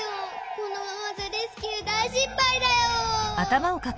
このままじゃレスキューだいしっぱいだよ。